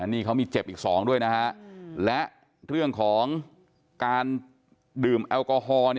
นี่เขามีเจ็บอีก๒ด้วยนะฮะและเรื่องของการดื่มแอลกอฮอล์